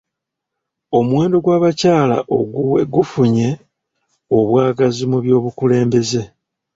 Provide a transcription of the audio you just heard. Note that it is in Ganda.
Omuwendo gwa abakyala oguwe gufunye obwagazi mu byobukulembeze.